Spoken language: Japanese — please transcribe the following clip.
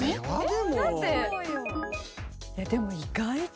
でも意外と。